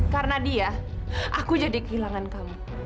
karena dia aku jadi kehilangan kamu